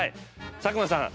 佐久間さん